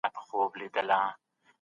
د ملا ساتنه خپل مسووليت دی